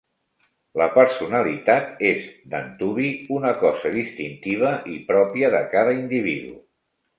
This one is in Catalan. La personalitat és, d'antuvi, una cosa distintiva i pròpia de cada individu.